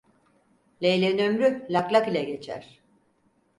Leyleğin ömrü laklak ile geçer.